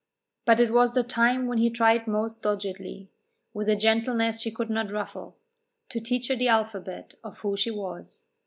But it was the time when he tried most doggedly, with a gentleness she could not ruffle, to teach her the alphabet of who she was.